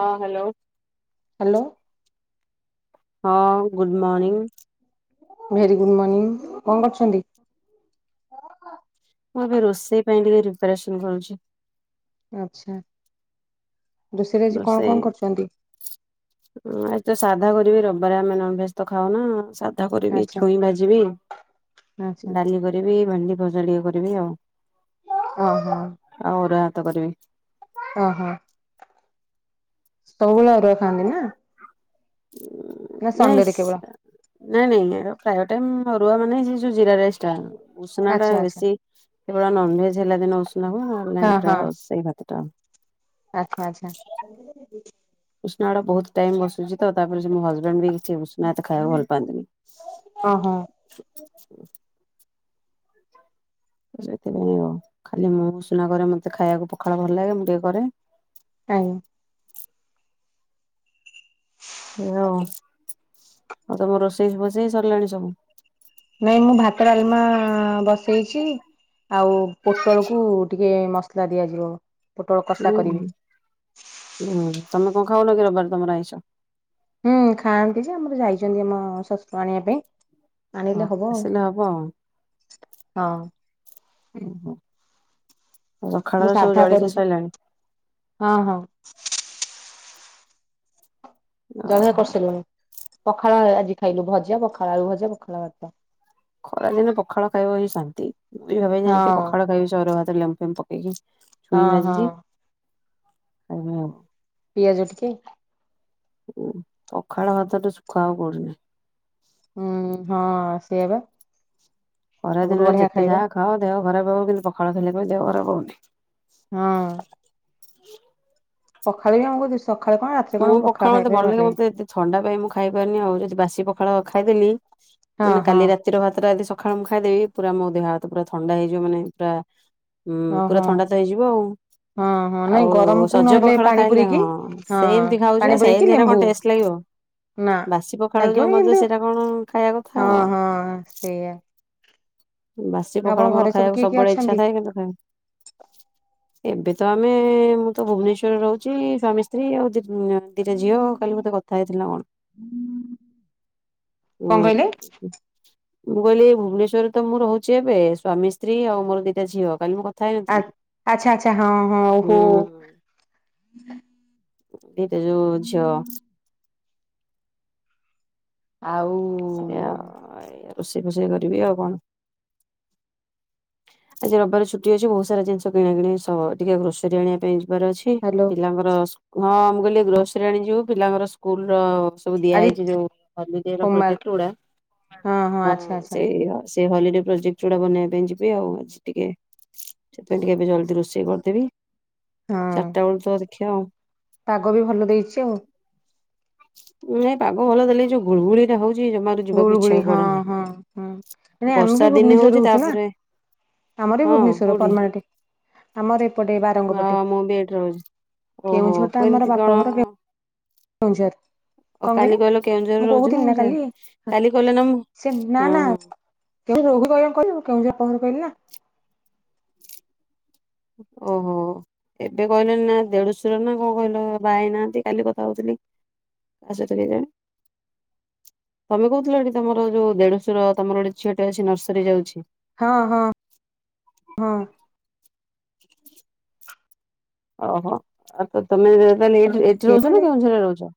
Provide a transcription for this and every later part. ହଁ hello. Hello ହଁ good morning. Very good morning କଣ କରୁଛନ୍ତି। ମୁଁ ଏବେ ରୋଷେଇ ପାଇଁ ଟିକେ ପ୍ରିପାରେସନ ରୁଛି। ଆଚ୍ଛା। ରୋଷେଇରେ ଆଜି କଣ ରଷେଇ କଣ କରୁଛନ୍ତି? ଆ ତ ସାଧା କରିବି ରବି ବ ଆମେ ନନଭେଜ ତ ଖାଉନୁ ସାଧା। କରିବି ଆଚ୍ଛା ଛୁଇଁ ବାଜିବି ଆଚ୍ଛା ଡାଲି କରିବି ଭେଣ୍ଡି। ଭଜା ଟିକିଏ କରିବି ଆଉ। ଓହୋ। ଆଉ ଅରୁଆ ଭାତ କରିବି। ଅ ହଁ। ସବୁବେଳେ ଅରୁଆ ଖାଆନ୍ତି ନା। ନା ସଣ୍ଡେରେ କେବଳ ନାଇଁ ନାଇଁ ନାଇଁ ପ୍ରାୟଭ ଟାଇମ୍। ରୁହନା ନାଇଁ। ଜିରା ରାଇସ୍ ଟା ଉଷୁନା ଟା ଆଚ୍ଛା ଆଚ୍ଛା ବେଶୀ କେବଳ ନନଭେଜ ହେଲା ଦିନ ଉଷୁନା ହୁଏ ହଁ ହଁ ଆରୁଆ ସେଇ ଭାତ ଟା। ଆଚ୍ଛା ଆଚ୍ଛା ଉଷୁନା ବହୁତ ଟାଇମ ବସେ। ଯେ ତାପରେ ସେ ମୁଁ ହଜବେଣ୍ଡ ବି ଉଷୁନା ତ ଖାଇବାକୁ ଭଲ ପାଆନ୍ତିନି। ଓହୋ ହୁ ସେଥିପାଇଁ ଆଉ ଖାଲି ମୁଁ ସୁନା କରେ ମତେ ଖାଇବାକୁ ପଖାଳ ଭଲ ଲାଗେ ମୁଁ ଟିକେ କରେ। ତାଙ୍କୁ। ହେ ହଉ ଆଉ ତମ ରୋଷେଇ ବଷେଇ ସରିଲାଣି ସବୁ। ନାଇଁ ମୁଁ ଭାତ ଡ଼ାଲମା ବସେଇଛି ଆଉ। ପୋଟଳକୁ ଟିକେ। ଟିକିଏ ମସଲା ଦିଆଯିବ। ପୋଟଳ କଷା ହୁଁ କରିବି ହୁଁ ତମ। ତମେ ଖାଉନକି ରବିବାରେ ତମର ଆଇଁସ। ହୁଁ ଖାଆନ୍ତି ଯେ ଆମର। ଯାଇଛନ୍ତି ଆମ ଶଶୁର ଆଣିବା ପାଇଁ। ଓହୋ ଆଣିଲେ ହବ ଆଉ ଆସିଲେ ଆଉ ହଁ। ହୁଁ ଓହଃ। ମୁଁ ସାଧା କରିଛି ହଁ ହଁ। ଜଳଖିଆ ଓହୋ। କରିସାରିଲୁଣି। ପଖାଳ ଆଜି ଖାଇଲୁ ଭଜା ପଖାଳ ଆଳୁ ଭଜା ପଖାଳ ଭାତ। ଖରାଦିନେ ପଖାଳ ଖାଇବ ହିଁ ଶାନ୍ତି। ମୁଁ ବି ଭାବିଚି ଆଜି ଟିକେ ହଁ ପଖାଳ ଖାଇବି ସେ ଅରୁଆ ଭାତ। ଲେମ୍ବୁ ଫେମ୍ବୁ ପକେଇକି। ଛୁଇଁ ହଁ ହଁ। ଭାଜିଛି ଖାଇବି ଆଉ। ପିଆଜ ଟିକେ। ଓହଃ ପଖାଳ ହାତଠୁ ସୁଖ ଆଉ କଉଠି ନାହିଁ। ହୁଁ ହଁ ସେଇଆ ଵା। ଖରାଦିନରେ ଯେତେ ଯାହା ଖାଅ ଦେହ ଖରାପ ହେବ କିନ୍ତୁ ପଖାଳ ଖାଇଲେ ଦେହ ଖରାପ ହେବନି। ହଁ। ପଖାଳ ବି ଆମକୁ ଦିଶୁ ମୁଁ ପଖାଳ ମତେ ଭଲ ଲାଗେ ମତେ ଏତେ ଥଣ୍ଡା ପାଇଁ ମୁଁ ଖାଇପାରୁନି ଆଉ ଯଦି ବାସି ପଖାଳ ଖାଇଦେଲି ହଁ ମାନେ ହଁ କାଲି ରାତିର ଭାତଟା ଯଦି ସକା କାଳେ ମୁ ଖାଇଦେବି ପୁରା ମୋ ଦେହ ହାତ ପୁରା ଥଣ୍ଡା ହେଇଯିବ ମାନେ ପୁରା ହୁଁ ଓ ପୁରା ହଁ ଥଣ୍ଡା ତ ହେଇଯିବ ଆଉ ହଁ ହଁ ନାଇଁ ଆଉ ଗରମକୁ ସଜ ନହେଲେ ପଖାଳ ପାଣି ଖାଇଲେ ପୁରେଇକି ହଁ ସେ ଏମିତି ଖାଉଛି ପାଣି ଆ ପୁରେଇକି ସେଏମିତି କଣ ଲେମ୍ବୁ ଟେଷ୍ଟ ଲାଗିବ ନା ବାସି ପଖାଳ ଯୋଉ ଲାଗିବନି କିନ୍ତୁ ମଜା ସେଇଟା କଣ ଖାଇବା କଥା ହଁ ଆଉ। ହଁ ସେଇଆ ବାସି ପଖାଳ ଆପଣଙ୍କ ମୋର ଘରେ ସବୁ ଖାଇବାକୁ କିଏ କିଏ ସବୁବେଳେ ଇଚ୍ଛା ଅଛନ୍ତି? ଥାଏ କିନ୍ତୁ ଖାଇପା ଏବେ ତ ଆମେ ମୁଁ ତ ଭୁବନେଶ୍ୱରରେ ରହୁଛି ସ୍ୱାମୀ ସ୍ତ୍ରୀ ଆଉ ଯେତେ ହୁଁ ଦିଟା ଝିଅ କାଲି ମତେ କଥା ହେଇଥିଲି ନା କଣ କଣ କହିଲେ ହୁଁ। ମୁଁ କହିଲି ଭୁବନେଶ୍ୱରରେ ତ ମୁଁ ରହୁଛି ଏବେ ସ୍ୱାମୀ ସ୍ତ୍ରୀ ଆଉ ମୋର ଦିଟା ଝିଅ କାଲି ମୁଁ କଥା ଆ ହେଇନଥିଲି କି? ଆଚ୍ଛା ଆଚ୍ଛା ହଁ ହଁ ଓହୋ ହୁଁ । ଦିଟା ଯୋଉ ଝିଅ । ଆଉ ସେୟା ଆଉ ରୋଷେଇ ଫୋଷେଇ କରିବି ଆଉ କଣ? ଆଜି ରବିବାର ଛୁଟି ଅଛି ବହୁତ ସାରା ଜିନିଷ କିଣା କିଣି ସ ଟିକେ ଗ୍ରୋସରୀ ଆଣିବା ପାଇଁ ଯି ବାର ଅଛି ହ୍ୟାଲୋ ପିଲାଙ୍କର ସୁ ହଁ, ମୁଁ କହିଲି ଗ୍ରୋସରୀ ଆଣି ଯିବୁ, ପିଲାଙ୍କର ସ୍କୁଲର-ଅ। ସବୁ ଆଜି ଦିଆହେଇଛି ଯଉ ହଲିଡେ ର ହୋମୱାର୍କ ପ୍ରୋଜେକ୍ଟ। ଚୁଡା ହଁ ସେଇ ବାସ ସେ ହଲିଡେ ପ୍ରୋଜେକ୍ଟ ଯୁଡା ବନେଇବା ପାଇଁ ଯିବି ଆଉ ଆଜି ଟିକେ ସେଥିପାଇଁ ଟିକେ ଏବେ ଜଲ୍ଦି ରୋଷେଇ କରିଦେବି । ହଁ ଚାରିଟା ଓଳୁ ତ ଦେଖ [unintelligible] ପାଗ ବି ଭଲ ଦେଇଛି ଆଉ । ନାଇଁ ପାଗ ଭଲ ଦେଲେ ବି ଯୋଉ ଗୁଳୁଗୁଳି ଟା ହୋଉଛି ଗୁଳୁଗୁଳି ହଁ ହଁ ହଁ ଆମେ ବର୍ଷା ବି ଦିନେ ଭୁବନେଶ୍ୱର ରେ ହଉଛି ରହୁଛୁ ନା ତାପରେ ଆମର ବି ହଁ ଭୁବନେଶ୍ଵର କୋଉଠି ପରମାନେଣ୍ଟ ଆମର ଏପଟେ ବାରଙ୍ଗପଟେ। ହଁ ମୁଁ ବି ଏଇଠି ରହୁଛି କେଉଁଝର ଟା ଆମର ବାପଘର କେ ଅ କାଲି କହିଲ କେଉଁଝର ମୁଁ ରେ ରହୁଛି କହୁଥିଲି ନା ମୁଁ ସେ କାଲି ସେ ନା ନା କେଉଁ [unintelligible] କେଉଁଝର ଆମର କହିଲି ନା । ଓହୋ ଏବେ କହିଲନି ନା ଦେଢଶୁର ନା କଣ କହିଲ ବାହା ହେଇ ନାହାଁନ୍ତି । କାଲି କଥା ହଉଥିଲି କା ସହିତ କେ ଜାଣି? ତମେ କହୁଥିଲ ଏଠି ତମର ଯୋଉ ଦେଢଶୁର ତମର ଗୋଟେ ଝିଅ ଟେ ଅଛି ନର୍ସରୀ ଯାଉଛି । ହଁ ହଁ ହଁ । ଓହୋ ଆଉ ତ ତମେ ତାହାଲେ ଏ କେ ଏଠି ରହୁଛ ମାନେ ନା କେଉଁଝରେ ରହୁଛ?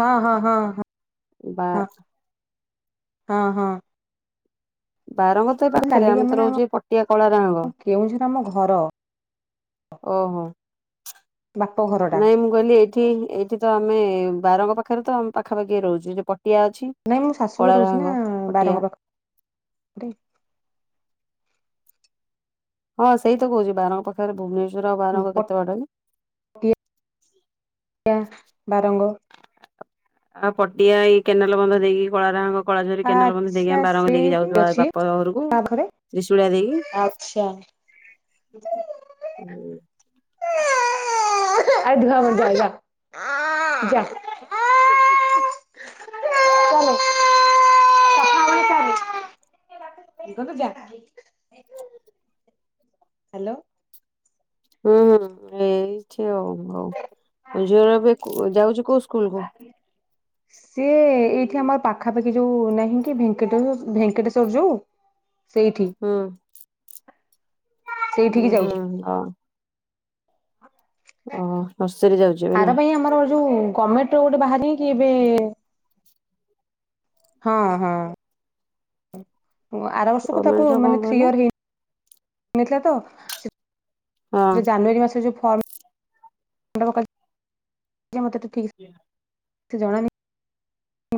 ହଁ ହଁ ହଁ ହଁ । ବା । ହଁ ହଁ । ବାରଙ୍ଗ ତ ପାଖରେ ଆମେ ତ ମାନେ ଆମ ରହୁଛୁ ପଟିଆ କଳାଗାହାଙ୍ଗ କେଉଁଝର ଆମ ଘର । ଓହୋ - ବାପ ଘରଟା । ଏଠି ଏଇଠି ତ ଆମେ ବାରଙ୍ଗ ପାଖରେ ତ ଆମେ ପାଖାପାଖି ରହୁଛୁ । ଏ ପ ନାଇଁ ମୁଁ ଶାଶୁଘରେ ରହୁଛି ନା, ପଟିଆ ବାରଙ୍ଗ ପାଖ ରେ । ହଁ ସେଇ ତ କହୁଛି, ବାରଙ୍ଗ ପାଖରେ ଭୁବନେଶ୍ୱ ର ବାରଙ୍ଗ କେତେ ପଟିଆ ବାଟ କି? ବାରଙ୍ଗ । ଆଉ ପଟିଆ ଏଇ କେନାଲ ବନ୍ଧ ଦେଇକି କଳାରାହାଙ୍ଗ କଳାଝରି କେନାଲ ବନ୍ଧ ଦେଇକି, ଆଚ୍ଛା ଆମେ ବାରଙ୍ଗ ଦେଇକି ସେଇଠି ଯାଉଛୁବା ଅଛି ବାପ ଘରକୁ ତା ପାଖରେ। ତ୍ରିଶୁଳିଆ ଦେଇକି । ଆଚ୍ଛା। [inaudible] ଆ ଧୁଆ ମ ଯା ଯା ଯା ଚାଲେ କଥାହବା ଚାଲେ। ଇଏ କରୁତୁ ଯା। ହ୍ୟାଲୋ! ହୁଁ! ହୁଁ! ଏଇଠି ହଉ ହଉ ଝିଅର ଏବେ ଯାଉଛି କୋଉ ସ୍କୁ ସ୍କୁଲକୁ? ସିଏ ଏଇଠି ଆମର ପାଖାପାଖି ଯୋଉ ନାହିଁ କି, ଭେଙ୍କେ ଭେଙ୍କଟେଶ୍ଵର ଯୋଉ ସେଇଠି? ହୁଁ ହୁଁ ସେଇଠିକି ହୁଁ ଯାଉଛି ହଁ। ଓ ନର୍ସରୀ ଯାଉଛି ଏବେ ଆର ନା? ପାଇଁ ଆମର ଯୋଉ ଗମେଟ୍ ର ଗୋଟେ ବାହାରି ନେହିଁ କି ଏବେ? ହଁ ହଁ। ଆର ବର୍ଷକୁ ତାକୁ ଗମେଣ୍ଟ ର କଣ ମାନେ ଥ୍ରୀ କହିଲ? ଇୟର ହେଇ ମିଲିଥିଲା ତ ହଁ ସେ ଜାନୁଆରୀ ମାସରେ ଯୋଉ ଫମ୍ ଟା ପକା ମତେ [unintelligible] ସେ ଜଣାନି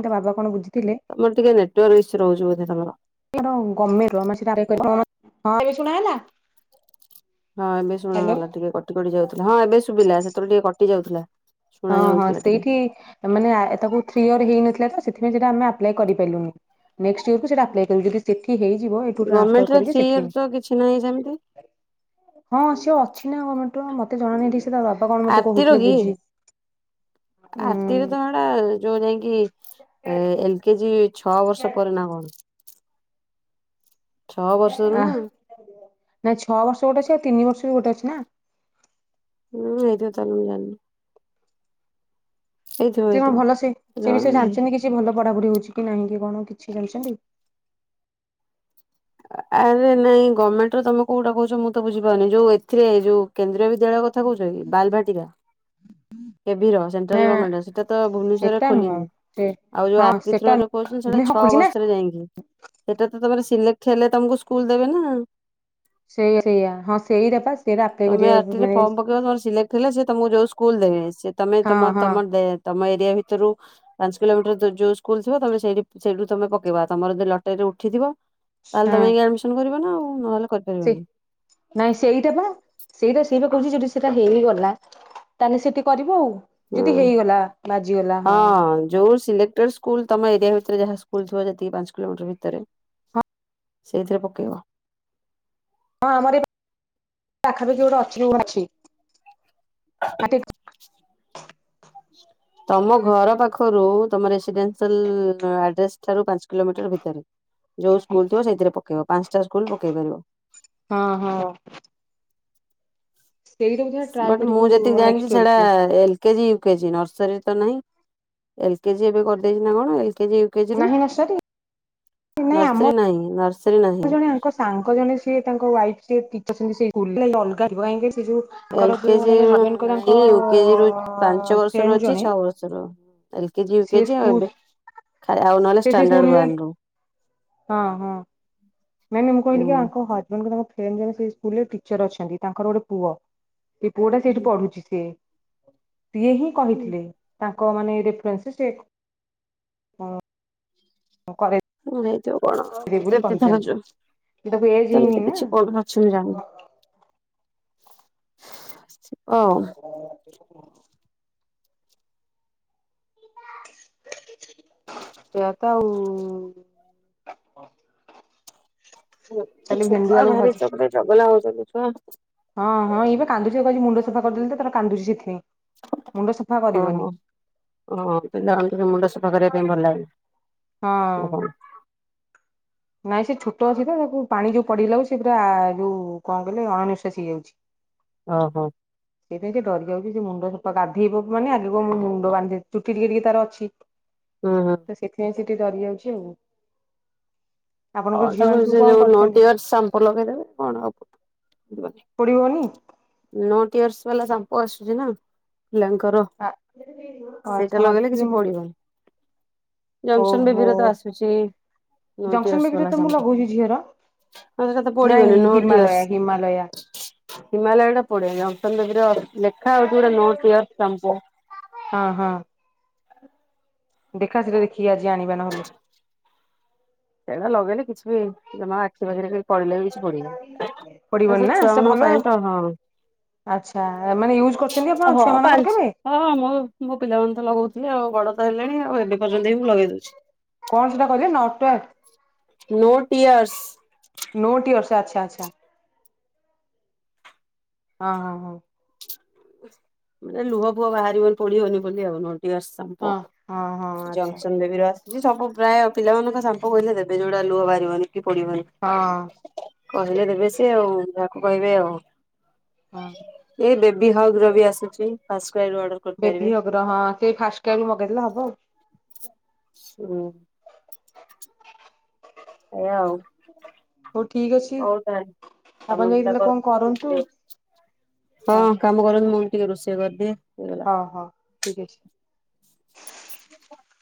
ତା ବାବା କଣ ବୁଝି ତମର ଟିକେ ନେଟୱାର୍କ ଇସୁ ରହୁଚି ବୋଧେ? [unintelligible] [unintelligible] ଏବେ ଶୁଣା ହେଲା? ହଁ ଏବେ ହ୍ୟାଲୋ ଶୁଣାଗଲା ଟିକେ କଟି କଟି ଯାଉଥିଲା। ହଁ ଏବେ ଶୁବିଲା ସେତଳେ ଟିକେ କ ଟି ଯାଉଥିଲା। ଶୁଣା ହଁ ହଁ ଯାଉଥିଲା ଟିକେ ସେଇଠି ମାନେ ଆ ତାକୁ ଥ୍ରି ଇୟର ହେଇନଥିଲା ତ ସେଥିପାଇଁ ସେଟା ଆମେ ଆପ୍ଲାଏ କରି ପାଇଲୁନି ନେକ୍ସଟ୍ ଇୟରକୁ ସେଟା ଆପ୍ଲାଏ କରିବୁ ଯଦି ସେଠି ହେଇଯିବ ଏଠୁ ଗଭର୍ଣମେଣ୍ଟ ଟ୍ରାନସ୍ପର୍ ର କରିକି ଥ୍ରୀ ସେଠିକି ଇୟର ତ କିଛି ନାହିଁ ସେମିତି ହଁ ସିଏ ଅଛି ନାଁ କଣ ତ ମତେ ଜଣାନାହିଁ ଠିକ୍ ତା ବାପା କଣ ମତେ କହୁଥିଲେ ବୁଝିକି ଆର୍ତିରେ ତ ହେଟା ଯୋଉ ଯାଇକି ଏଲ କେଜି ହୁଁ! ଛଅ ବର୍ଷ ପରେ ନା କଣ? ଛଅ ବର୍ଷରୁ ଆଃ ନା। ନାଇଁ ଛଅ ବର୍ଷ ଗୋଟେ ଅଛି ଆଉ ତିନି ବର୍ଷ ବି ଗୋଟେ ଅଛି ନା? ଉଁ [unintelligible] ଜାଣିନି। ହେଇଥିବ ସେ କଣ ହେଇଥିବ ଭଲ ସେ ସେ ଜଣା ବିଷୟରେ ନାହିଁ। ଜାଣିଚନ୍ତି କିଛି ଭଲ ପଢାପୁଢି ହଉଚି କି ନାହିଁ କି କଣ କିଛି ଜାଣିଛନ୍ତି? ଆରେ ନାଇଁ ଗମେଣ୍ଟ ର ତମେ କୋଉଟା କଉଚ ମୁଁ ତ ବୁଝିପାରୁନି ଯଉ ଏଥିରେ ଯୋଉ କେନ୍ଦ୍ରୀୟ ବି ଦ୍ୟାଳୟ କଥା କଉଚ କି? ବାଲଭାଟିକା [unintelligible] ନା ସେନଟ୍ରାଲ୍ ଗମେଣ୍ଟ ର ସେଟା ତ ଭୁବନେଶରରେ ସେଟା ନୁହଁ ଖୋଲିିନି। ସେ ଆଉ ଯୋଉ ହଁ ଆର୍ଟି ଥ୍ରୋ ସେଟା ରେ କହୁଚନ୍ତି ସେଟା ନୁହଁ ହଁ ଛଅ ଖୋଲିଛି ନା ବର୍ଷରେ ଯାଇଁକି ସେଟା ତ ତମର [unintelligible] ହେଲେ ତମକୁ ସ୍କୁଲ ଦେବେ ନା। ସେଇ ସେଇଆ ହଁ ସେଇଟା ପା ସେଇଟା ଆପ୍ଲାଏ ତମେ କରିବାକୁ ଆର୍ଟି ରେ ମାନେ ଫର୍ମ ପକେଇବ ନ ହେଲେ ସିଲେକ୍ଟ ହେଲେ ସେ ତମକୁ ଯୋଉ ସ୍କୁଲ୍ ଦେବେ ସେ ତମେ ହଁ ତମ ହଁ ତମ ଦେ ତମ ଏରିଆ ଭିତରୁ ପାଞ୍ଚ କିଲୋମିଟର ଯୋଉ ସ୍କୁଲ ଥିବ ତମେଠ ସେଇଠୁ ତମେ ପକେଇବା ତମର ଯି ଲଟେରୀରେ ଉଠିଥିବ। ତାହାଲେ ତମେ ହଁ ଆଡମିସନ କରିବା ନା ଆଉ। ହଲ ସେ ନାଇଁ ସେଇଟା ବା ସେଇଟା ସେଇଟା କହୁଛି ଯଦି ସେଇଟା ହେଇଗଲା ତାହେଲେ ସେଠି କରିବ ଆଉ। ଯଦି ହେଇଗଲା ବାଜିଗଲା ହଁ ହଁ ଯଉ ସିଲେକ୍ଟ ସ୍ଲ ତମ ଏରିଆ ଭିତରେ ଯାହା ସ୍କୁଲ ଥିବ ଯେତିକି ପାଞ୍ଚ କିଲୋମିଟର ଭିତରେ ସେଇଥିରେ ପକେଇବ। ହଁ ଆମର ଏ ପାଖାପାଖି ଗୋଟେ ଅଚୁ ଅଛି। [inaudible] [inaudible] ତମ ଘର ପାଖରୁ ତମ ରେସିଡେନ୍ସି ଆଡ୍ରେସ ଠାରୁ ପାଞ୍ଚ କିଲୋମିଟର ଭିତରେ ଯୋଉ ସ୍କୁଲ ଥିବ ସେଇଥିରେ ପକେଇବା। ପାଞ୍ଚଟା ସ୍କୁଲ ପକେଇ ପାରିବ। ହଁ ହଁ। ସେଇଟା ବୋଧେ ଟ୍ରାଏ ବଟ ମୁଁ କରିବୁ ଯେତିକି ଜାଣିଛି ନେକ୍ସଟ୍ ସେଟା ଇୟରକୁ ଏଲ କେଜି ଜି ନର୍ସରୀ ତ ନାହିଁ ଏଲ କେଜି ଏବେ କରିଦେଇଛି ନା କଣ ଏ କେଜି ଲକେଜି ରୁ ନାହିଁ ନା ସରି ନାଇଁ ଆମ ନର୍ସରୀ ନାହିଁ ନର୍ସରୀ ନାହିଁ। ଜଣେଙ୍କ ସାଙ୍ଗ ଜଣେ ସିଏ ତାଙ୍କ ୱାଇଫ ସେ [unintelligible] ତାଙ୍କର ଯୋଉ ଏଲକେଜି ମାନେ ହଜବେଣ୍ଡଙ୍କ ତାଙ୍କ ନାଇଁ ୟୁକେଜି ରୁ ପାଞ୍ଚ ବର୍ଷ ର ଫ୍ରେଣ୍ଡ ଅଛି ଜଣେ ଛଅ ବର୍ଷରୁ ଏ କେଜିୟ ସିଏ କେଜି ସ୍କୁଲ ଏବେ ଖ ଆଉ। ନହେଲେ ସେ ସେ ଷ୍ଟାଣ୍ଡାର୍ଡ ସ୍କୁଲରେ ୱାନ। ହଁ ହଁ। ମାନେ ମୁଁ କହିଲି ଆଙ୍କ ହଜବେଣ୍ଡ କ ତାଙ୍କ ଜଣେ ସେ ସ୍ ଟିଚର ଅଛନ୍ତି ତାଙ୍କର ଗୋଟେ ପୁଅ। ଏ ପୁଅ ଟା ସେଇଠି ପଢୁଛି ସ ସେ [inaudible] ସିଏ ହିଁ କହିଥିଲେ ତା ତା ମାନେ [unintelligible] କରେ। ଆ କଣ ସେତି ଧର ତାକୁ ଏଜ ହେଇନି ସେମିତି ନା କିଛି କର ଅଛନ୍ତି ଜାଣିନୁ [inaudible] ଓ [inaudible] ସେଇଆ ତ ଆଉ। କାଲି ଭେଣ୍ଡି ଛୁଆ ଆଳୁ ଭାଜି ଧାରିଛ ଗୋଟେ ଗଲା ହଉଛନ୍ତି। ହ ସେ କାନ୍ଦୁଛି ଖେ ଓହୋ ଓ ପିଲାର ମୁଣ୍ଡ ସଫା କରିବା ପାଇଁ ଭଲ ଲାଗେ ହଁ ନା କଣ? ନାଇଁ ସେ ଛୋଟ ଅଛି ତ ତାକୁ ପାଣି ଯୋଉ ପଡିଗଲା ସେ ପୁରା ଯୋଉ କଣ କହିଲେ ଅଣ ନିିଶ୍ୱାସି ହେଇଯାଉଛି। ଓହୋ ସେଇ ପାଇଁ ସେ ଡରି ଯାଉଛି ସେ ମୁଣ୍ଡ ଗାଧେଇବ ମାନେ ଆ ମୁଣ୍ଡ ବାନ୍ଧି ଚୁଟି ଟିକେ ଟିକେ ତାର ଅଛି। ହୁଁ ହୁଁ। [unintelligible] ଡରି ଯାଉଛି ଆଉ। ଆପଣଙ୍କର ହଁ ଝିଅ ମାନେ ସବୁ କଣ ଯୋଉ ନୋ କରୁଛନ୍ତି ଟିଅର୍ସ ସାମ୍ପୁ ଲଗେଇଦବେ କଣ ହବ। ପଡ଼ିବନି। ନୋ ଟିଅର୍ସ ବାଲା ସାମ୍ପୋ ଆସୁଛି ନା। ପିଲାଙ୍କର ଆ- ଆଚ୍ଛା ସେଇଟା ଲଗେଇଲେ ମତେ କିଛି ପଡିବନି ଜନ୍ସନ ଓହୋ ବେବି ର ତ ଆସୁଛିତ ନୋ ଜଂସନ ଟିଅର୍ସ ବେବିରେ ଵାଲା ତ ମୁଁ ସମ୍ପୋ ଲଗଉଛି ଝିଅର। ହ ହେରା ଟା ପୋଡି ନାଇଁ ବନି ନୋ ହିମାଲୟା ଟିଅର୍ସ। ହିମାଲୟା [unintelligible] ପଡ଼େନି ଜନ୍ସନ ବେବି ର ଲେଖା ହଉଛି ଗୋଟେ ନୋ ଟିଅର୍ସ ସମ୍ପୋ। ହଁ ହଁ ଦେଖା ସେଟା ଦେଖ ଖିଆ ଆଜି ଆଣିବା ନହେଲେ। ସେଇଟା ଲଗେଇଲେ କିଛି ଜମା ଆଖି ପାଖରେ ପଢିଲେ ବି କିଛି ପଡିବନି ଏରା ପଡିବନି ସବୁ ନା ଛୁଆ ସେଟା ମାନଙ୍କ ଭଲ ପାଇଁ ତ ହଁ ଆଚ୍ଛା ମାନେ ୟୁଜ୍ କରିଛନ୍ତି ଆପଣ ହଁ ଛୁଆ ମାନଙ୍କର କେବେ? ହଁ ମ ମୋ ପିଲାମାନେ ତ ଲଗ ଆଉ ବଡ ତ ହେଲାଣି ଆଉ ଏବେ ପର୍ଯ୍ୟନ୍ତିଁ ବି ମୁଁ ଲଗେଇ ଦଉଛି। କଣ ସେଟା କହିଲେ ନଟ ୟାର୍କ? No tears. ଆଛା ଆଛା ଆଚ୍ଛା। ହଁ ହଁ ହଁ। ମାନେ ଲୁହ ପୁହ ବାହାରିବନ ପଡିିବନି ବୋଲି ଆଉ ନ ଟିଅର୍ସ ସମ୍ପୋ ହଁ। ହଁ ହଁ ହଁ ଆଚ୍ଛା ଜଂସନ ବେବି ର ଯ ସମ୍ପୁ ପ୍ରାୟ ପିଲାମାନଙ୍କ ସାମ୍ପୁ କହିଲେ ଦେବେ ଯୋଉଟା ଲୁହ ବାହାରିବନି। କି ପୋଡିବନି ହଁ କହିଲେ ଦେବେ ସିଏ ଆଉ କହିବେ ଆଉ। ହଁ। ଏଇ ଦେ ବିହଗ ର ବି ଆସୁ ଚି ବେବି ହଗ୍ର ହଁ ସେଇ ଫାଷ୍ଟ ଟାଇମ ମଗେଇଦଲେ ହବ ଆଉ। ହୁଁ। ଏଇ ଆାଉ। ହଉ ଠିକ ଅଛି। ହଉ ତାହଲେ ଆପଣ କାମ ଯାଇଥିଲେ କଣ କରନ୍ତୁ ମୁଁ ବି ଯାଉଛି ହଁ କାମ କରନ୍ତୃ ମୁଁ ଟିକେ ରୋଷେଇ କରିଦିଏ। ହେଇଗଲା। ହଁ ହଁ ଠିକ ଅଛି। ହ